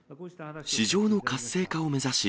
市場の活性化を目指し、